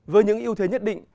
với những ưu thế nhất định